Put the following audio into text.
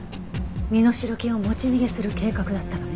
身代金を持ち逃げする計画だったのね。